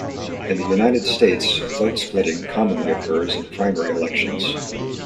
In the United States vote splitting commonly occurs in primary elections.